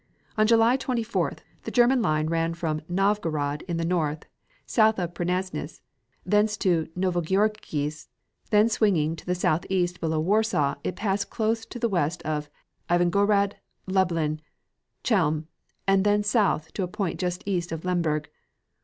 On July 24th, the German line ran from Novgorod in the north, south of Przasnysz, thence to Novogeorgievsk, then swinging to the southeast below Warsaw it passed close to the west of Ivangorad, Lublin, Chelm, and then south to a point just east of Lemberg.